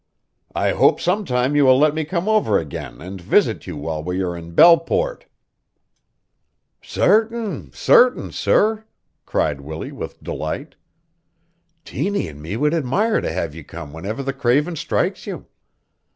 I hope sometime you will let me come over again and visit you while we are in Belleport." "Sartain, sartain, sir!" cried Willie with delight. "Tiny an' me would admire to have you come whenever the cravin' strikes you.